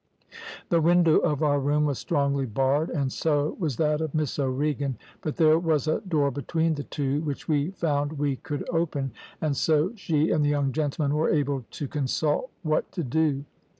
The window of our room was strongly barred, and so was that of Miss O'Regan; but there was a door between the two, which we found we could open, and so she and the young gentlemen were able to consult what to do.